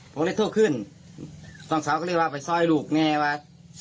ผมเลยโทรขึ้นน้องสาวก็เลยว่าไปซอยลูกแน่ว่า